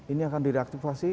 ini akan direaktivasi